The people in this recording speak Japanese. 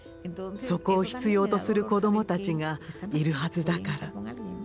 そこを必要とする子どもたちがいるはずだから。